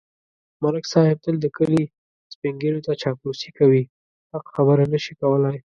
ملک صاحب تل د کلي سپېنږیروته چاپلوسي کوي. حق خبره نشي کولای.